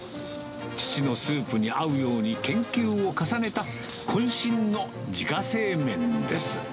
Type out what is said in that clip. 父のスープに合うように、研究を重ねたこん身の自家製麺です。